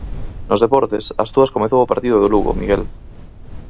Nos deportes, ás dúas comezou o partido do Lugo, Miguel.